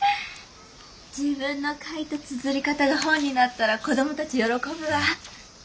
自分の書いたつづり方が本になったら子どもたち喜ぶわ。